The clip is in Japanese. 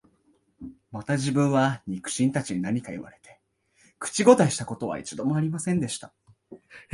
また自分は、肉親たちに何か言われて、口応えした事は一度も有りませんでした